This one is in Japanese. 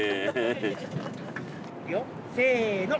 いくよせの！